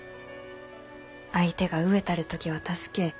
相手が飢えたる時は助け